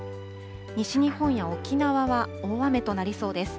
西日本や沖縄は大雨となりそうです。